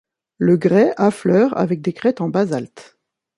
Le grès affleure avec des crêtes en basalte.